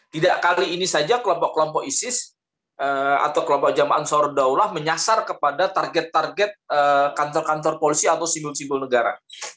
tidak kali ini saja kelompok kelompok isis atau kelompok jamaah ansar daulah menyasar kepada target target kantor kantor polisi atau simbol simbol negara